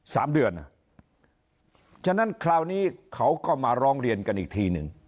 ๕๐๐๐๕๐๐๐สามเดือนฉะนั้นคราวนี้เขาก็มาร้องเรียนกันอีก